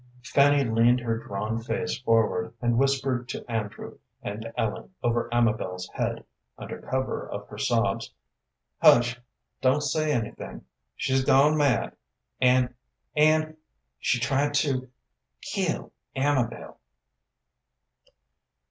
Fanny leaned her drawn face forward, and whispered to Andrew and Ellen over Amabel's head, under cover of her sobs, "Hush, don't say anything. She's gone mad, and, and she tried to kill Amabel."